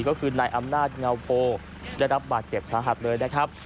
ก็คือนายอำนาจเงาโพได้รับบาดเจ็บสาหัสเลยนะครับ